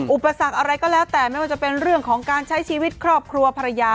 อุปสรรคอะไรก็แล้วแต่ไม่ว่าจะเป็นเรื่องของการใช้ชีวิตครอบครัวภรรยา